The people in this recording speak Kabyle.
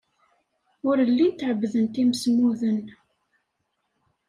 Ur llint ɛebbdent imsemmuden.